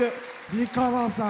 美川さん。